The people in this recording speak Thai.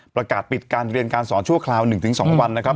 ประกาศปิดการเรียนการสอนชั่วคราว๑๒วันนะครับ